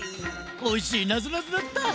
おいしいなぞなぞだった！